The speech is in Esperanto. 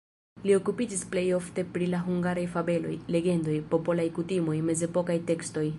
Li okupiĝis plej ofte pri la hungaraj fabeloj, legendoj, popolaj kutimoj, mezepokaj tekstoj.